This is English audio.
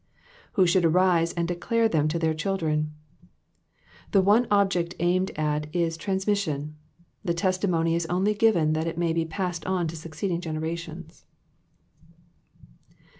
'^^Who should arise and declare them to their children,''" The one object aimed at is transmission; the testimony is only given that it may be passed on to succeeding generations.